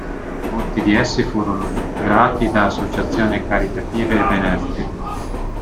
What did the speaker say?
Molti di essi furono recuperati da associazioni caritative e benefiche.